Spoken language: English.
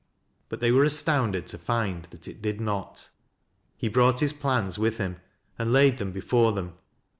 But they were astounded to find that it did not. He brought his plans with him, and laid them before them.